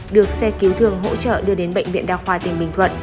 được xe cứu thương hỗ trợ đưa đến bệnh viện đa khoa tỉnh bình thuận